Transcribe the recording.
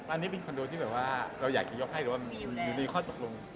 อันนี้เป็นคอนโดที่แบบว่าเราอยากจะยกให้หรือว่ามีข้อตกลง